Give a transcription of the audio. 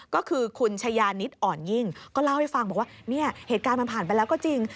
ก็คือคุณชายานิดอ่อนยิ่งก็เล่าให้ฟังบอกว่าเนี่ยเหตุการณ์มันผ่านไปแล้วก็จริง